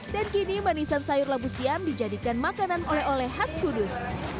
dan kini manisan sayur labu siap dijadikan makanan oleh oleh khas kudus